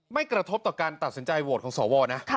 กระทบต่อการตัดสินใจโหวตของสวนะ